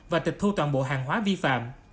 và tịch thu toàn bộ hàng hóa vi phạm